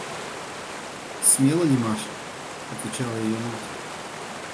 – Смела ли Маша? – отвечала ее мать.